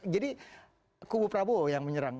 jadi kubu prabowo yang menyerang